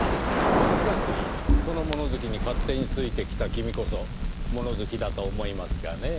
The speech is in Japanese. しかしその物好きに勝手についてきた君こそ物好きだと思いますがねぇ。